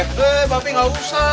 eh papi gak usah